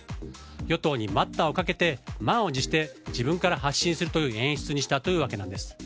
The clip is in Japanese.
与党に待ったをかけて満を持して自分から発信する演出にしたというわけです。